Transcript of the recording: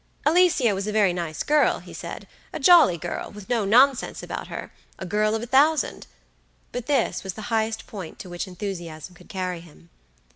Alicia was a very nice girl, he said, a jolly girl, with no nonsense about hera girl of a thousand; but this was the highest point to which enthusiasm could carry him.